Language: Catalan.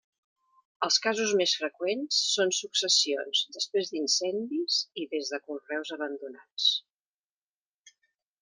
Els casos més freqüents són successions després d'incendis i des de conreus abandonats.